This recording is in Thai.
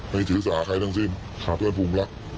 ไม่ถือศักรายทั้งสิ้นจากเพื่อนผู้บรัก